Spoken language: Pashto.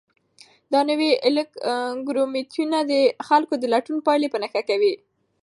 دا نوي الګوریتمونه د خلکو د لټون پایلې په نښه کوي.